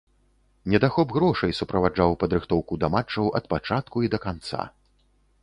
Недахоп грошай суправаджаў падрыхтоўку да матчаў ад пачатку і да канца.